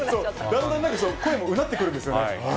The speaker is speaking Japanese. だんだん声もうなってくるんですよね。